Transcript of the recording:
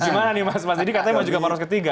gimana nih mas didi katanya juga mau poros ketiga